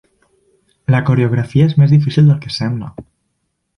La coreografia és més difícil del que sembla.